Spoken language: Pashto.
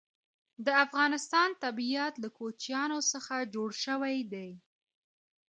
د افغانستان طبیعت له کوچیانو څخه جوړ شوی دی.